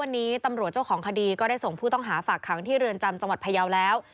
วันนี้ตำรวจเจ้าของคดีก็ได้ส่งผู้ต้องหาฝากขังที่เรือนจำจังหวัดพยาวแล้ว